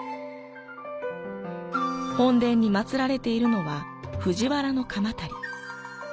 本殿に祀られているのは藤原鎌足。